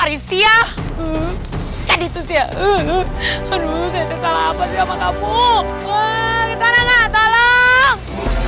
arisia jadi itu sih aduh salah apa sih sama kamu ke sana nggak tolong